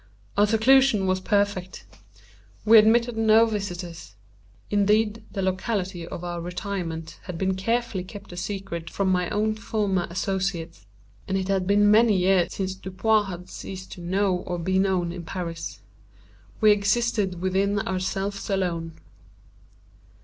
Our seclusion was perfect. We admitted no visitors. Indeed the locality of our retirement had been carefully kept a secret from my own former associates; and it had been many years since Dupin had ceased to know or be known in Paris. We existed within ourselves alone.